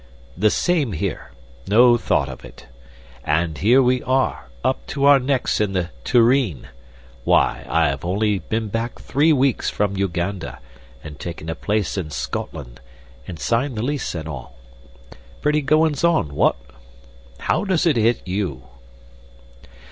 "The same here. No thought of it. And here we are, up to our necks in the tureen. Why, I've only been back three weeks from Uganda, and taken a place in Scotland, and signed the lease and all. Pretty goin's on what? How does it hit you?"